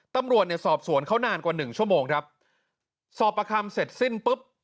ตำรวจเนี่ยสอบสวนเขานานกว่าหนึ่งชั่วโมงครับสอบประคำเสร็จสิ้นปุ๊บ